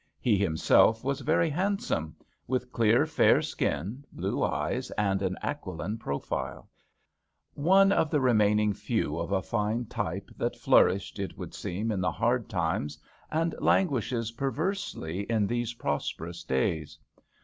He himselr was very handsome, with clear, fair skin, blue eyes, and an aauiline profile ; one of the remaining few or a fine type that flourished, it would seem, in the hard times and languishes perversely in these properous days.